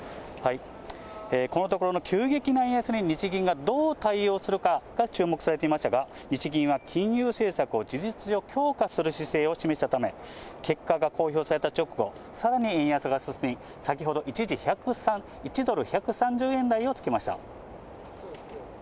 このところの急激な円安に日銀がどう対応するかが注目されていましたが、日銀は金融政策を事実上、強化する姿勢を示したため、結果が公表された直後、さらに円安が進み、先ほど、一時１ドル１３０円台をつけました。